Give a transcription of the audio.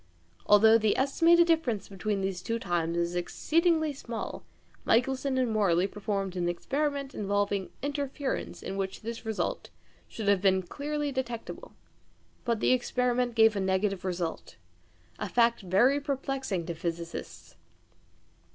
Although the estimated difference between these two times is exceedingly small, Michelson and Morley performed an experiment involving interference in which this difference should have been clearly detectable. But the experiment gave a negative result a fact very perplexing to physicists.